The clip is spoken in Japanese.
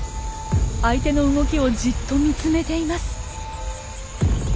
相手の動きをじっと見つめています。